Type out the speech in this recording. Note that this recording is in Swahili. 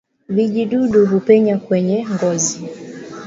Vijidudu hupenya kwenye ngozi